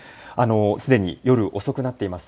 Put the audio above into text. すでに夜遅くなっています。